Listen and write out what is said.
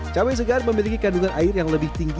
cawe segar memiliki kandungan air yang lebih tinggi